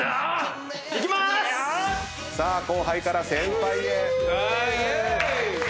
さあ後輩から先輩へ。